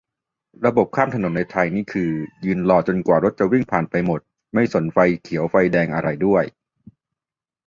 ระบบข้ามถนนในไทยนี่คือ ยืนรอจนกว่ารถจะวิ่งผ่านไปหมด ไม่สนไฟเขียวไฟแดงอะไรด้วย